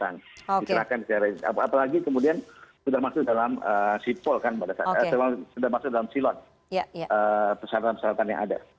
apalagi kemudian sudah masuk dalam silot persyaratan persyaratan yang ada